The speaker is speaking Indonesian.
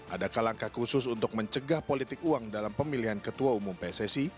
adakah langkah khusus untuk mencegah politik uang dalam pemilihan ketua umum pssi